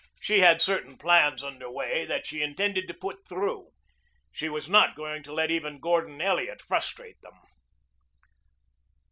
She had certain plans under way that she intended to put through. She was not going to let even Gordon Elliot frustrate them.